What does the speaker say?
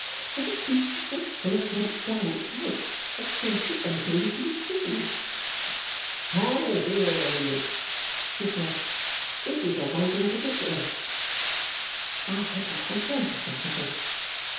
For the streets were so full of dense brown smoke that scarcely anything was to be seen. "Oh, dear no, miss," he said. "This is a London particular." I had never heard of such a thing.